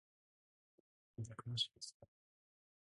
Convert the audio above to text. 未読無視はつらい。